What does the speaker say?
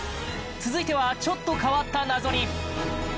続いてはちょっと変わった謎に！